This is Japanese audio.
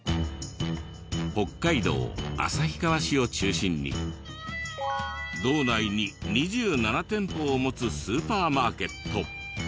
北海道旭川市を中心に道内に２７店舗を持つスーパーマーケット。